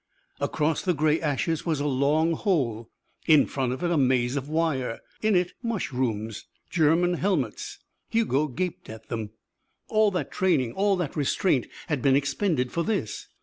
Across the grey ashes was a long hole. In front of it a maze of wire. In it mushrooms. German helmets. Hugo gaped at them. All that training, all that restraint, had been expended for this.